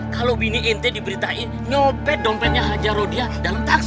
kalo bini ente diberitain nyopet dompetnya haja rodia dalam taksi